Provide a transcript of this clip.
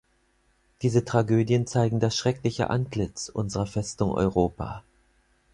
Diese Tragödien zeigen das schreckliche Antlitz unserer Festung Europa.